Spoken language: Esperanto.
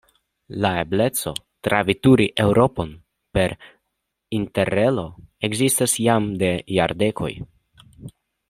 La ebleco traveturi Eŭropon per Interrelo ekzistas jam de jardekoj.